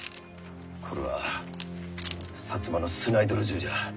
これは摩のスナイドル銃じゃ。